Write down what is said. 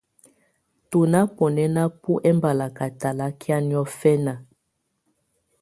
Tú ná búnɛ́ná bú ɛmbalakɛ̀ talakɛ̀á nɔ̀fɛna.